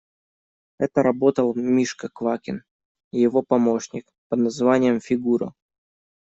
Это работал Мишка Квакин и его помощник, под названием «Фигура».